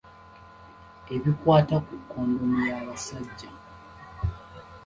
Ebikwata ku kondomu y’abasajja.